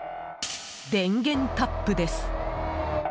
電源タップです。